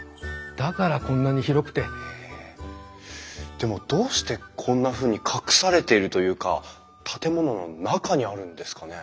でもどうしてこんなふうに隠されているというか建物の中にあるんですかね？